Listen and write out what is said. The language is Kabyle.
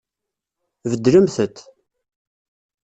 Beddlemt-t.